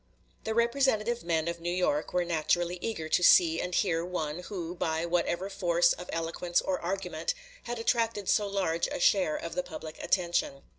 The representative men of New York were naturally eager to see and hear one who, by whatever force of eloquence or argument, had attracted so large a share of the public attention.